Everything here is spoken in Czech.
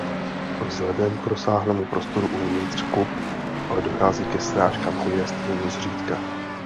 Vzhledem k rozsáhlému prostoru uvnitř kup ale dochází ke srážkám hvězd jen zřídka.